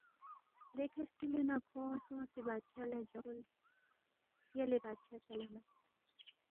دیکھہ ہرکِلے نہ کھونگ سونگسے بادشاہ لہ جوا فُولس، یلے بادشاہ سلامت